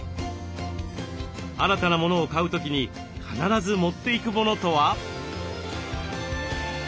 新たな物を買う時に必ず持っていく物とは？